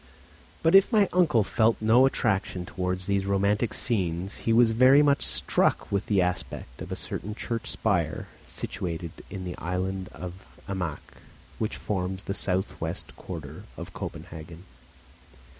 But if my uncle felt no attraction towards these romantic scenes he was very much struck with the aspect of a certain church spire situated in the island of Amak, which forms the south west quarter of Copenhagen.